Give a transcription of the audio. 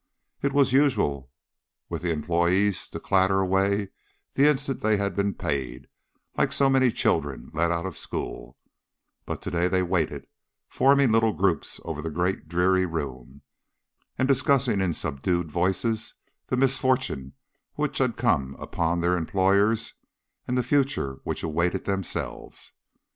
It was usual with the employees to clatter away the instant that they had been paid, like so many children let out of school; but to day they waited, forming little groups over the great dreary room, and discussing in subdued voices the misfortune which had come upon their employers, and the future which awaited themselves.